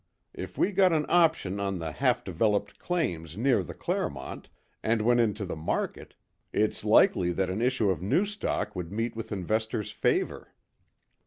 If we got an option on the half developed claims near the Clermont and went into the market, it's likely that an issue of new stock would meet with investors' favour."